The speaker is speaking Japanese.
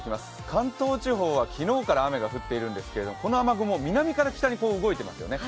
関東地方は昨日から雨が降っているんですけどこの雨雲、南から北に動いてますよね。